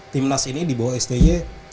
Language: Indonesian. tim nas ini di bawah stj